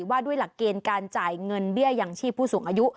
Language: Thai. ว่าด้วยหลักเกณฑ์การจ่ายเงินเบี้ยอย่างชีพผู้สูงอายุ